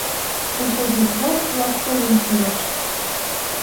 Колхозник-влак тылат совым кырышт.